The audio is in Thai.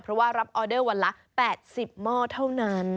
เพราะว่ารับออเดอร์วันละ๘๐หม้อเท่านั้น